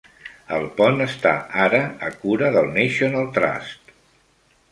El pont està ara a cura del National Trust.